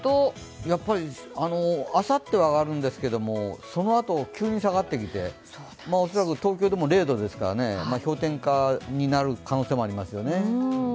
やっぱり、あさっては上がるんですけど、そのあと急に下がってきて恐らく東京でも０度ですから、氷点下になる可能性もありますよね。